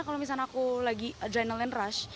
kalau misalnya aku lagi adrenalin rush